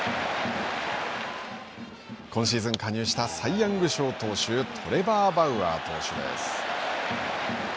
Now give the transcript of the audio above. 今シーズン加入したサイ・ヤング賞投手トレバー・バウアー投手です。